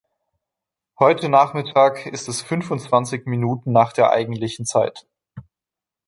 Heute Nachmittag ist es fünfundzwanzig Minuten nach der eigentlichen Zeit.